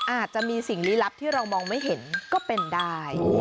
อาจจะมีสิ่งลี้ลับที่เรามองไม่เห็นก็เป็นได้